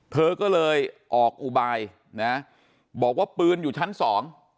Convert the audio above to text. เธอก็เลยออกอุบายนะบอกว่าปืนอยู่ชั้นสอง